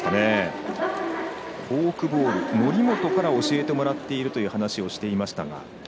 フォークボールは則本から教えてもらっているという話をしていましたが。